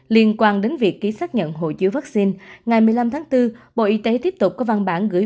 liên quan đến việc ký xác nhận hồ chứa vaccine ngày một mươi năm tháng bốn bộ y tế tiếp tục có văn bản gửi